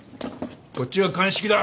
こっちは鑑識だ。